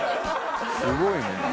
すごいね。